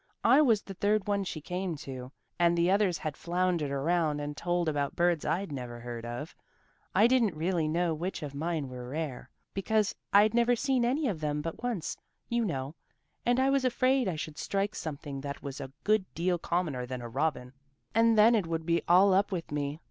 I was the third one she came to, and the others had floundered around and told about birds I'd never heard of. I didn't really know which of mine were rare, because I'd never seen any of them but once, you know, and I was afraid I should strike something that was a good deal commoner than a robin, and then it would be all up with me.